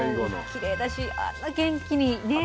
きれいだしあんな元気にね